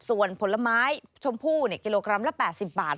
ส่วนผลไม้ชมพู่กิโลกรัมละ๘๐บาท